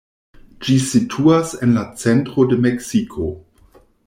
Ĝi situas en la centro de Meksiko.